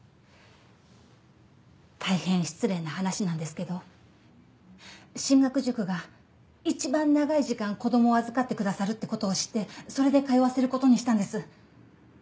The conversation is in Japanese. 大変失礼な話なんですけど進学塾が一番長い時間子供を預かってくださるってことを知ってそれで通わせることにしたんです。